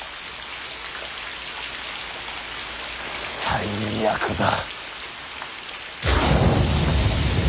最悪だ。